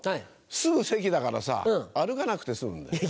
すぐ席だからさぁ歩かなくて済むんだ。